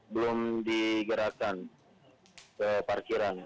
belum digerakkan ke parkiran